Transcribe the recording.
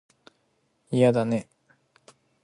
いやだね